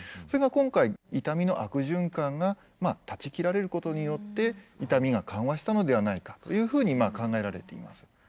それが今回痛みの悪循環が断ち切られることによって痛みが緩和したのではないかというふうに考えられています。